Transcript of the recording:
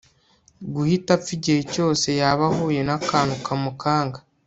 guhita apfa igihe cyose yaba ahuye nakantu kamukanga